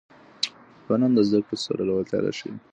ځوانان د زدهکړو سره لېوالتیا ښيي.